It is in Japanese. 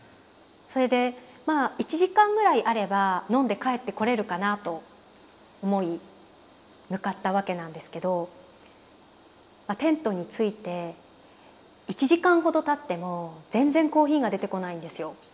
それでまあ１時間ぐらいあれば飲んで帰ってこれるかなと思い向かったわけなんですけどテントに着いて１時間ほどたっても全然コーヒーが出てこないんですよ。